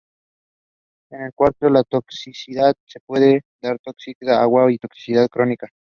En cuanto a la toxicidad, se puede dar toxicidad aguda y toxicidad crónica.